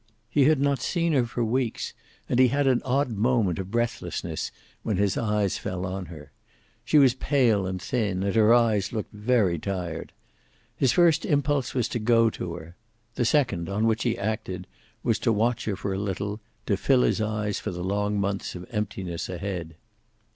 He had not seen her for weeks, and he had an odd moment of breathlessness when his eyes fell on her. She was pale and thin, and her eyes looked very tired. His first impulse was to go to her. The second, on which he acted, was to watch her for a little, to fill his eyes for the long months of emptiness ahead.